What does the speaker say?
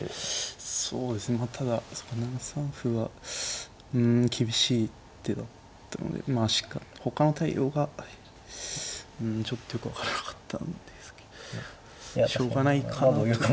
そうですねまあただそうか７三歩はうん厳しい一手だったのでまあほかの対応がちょっとよく分からなかったんですけどしょうがないかなとか。